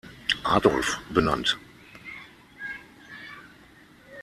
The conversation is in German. Adolf, benannt.